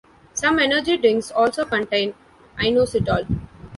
Some energy drinks also contain inositol.